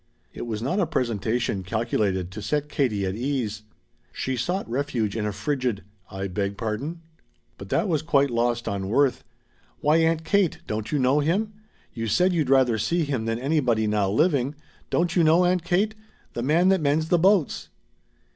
It was not a presentation calculated to set Katie at ease. She sought refuge in a frigid: "I beg pardon?" But that was quite lost on Worth. "Why, Aunt Kate, don't you know him? You said you'd rather see him than anybody now living! Don't you know, Aunt Kate the man that mends the boats?"